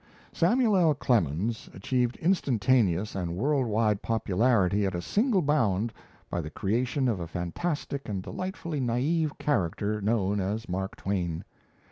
Samuel L. Clemens achieved instantaneous and world wide popularity at a single bound by the creation of a fantastic and delightfully naive character known as "Mark Twain."